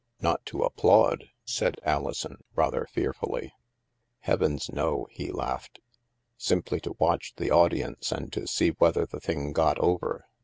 ../' Not to applaud?" said Alison, rather fearfully. Heavens, no," he laughed. " Simply to watch the audience and to see whether the thing got over.